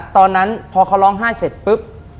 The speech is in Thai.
ตอนนั้นพอเขาร้องไห้เสร็จปุ๊บ